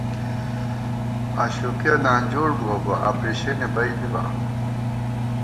آشوقِیہ نانجوڑ بُوَہ بہ ، آپرېشینے بئ بِبا